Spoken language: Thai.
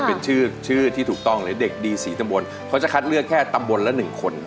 เป็นชื่อชื่อที่ถูกต้องเลยเด็กดีสี่ตำบลเขาจะคัดเลือกแค่ตำบลละหนึ่งคน